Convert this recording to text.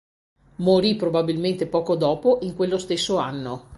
Morì probabilmente poco dopo in quello stesso anno.